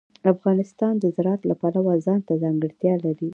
افغانستان د زراعت له پلوه ځانته ځانګړتیا لري.